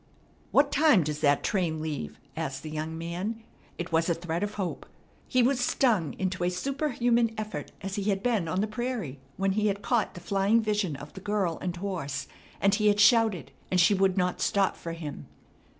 "What time does that train leave?" asked the young man. It was a thread of hope. He was stung into a superhuman effort as he had been on the prairie when he had caught the flying vision of the girl and horse, and he had shouted, and she would not stop for him.